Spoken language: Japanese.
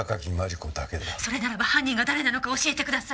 それならば犯人が誰なのか教えてください！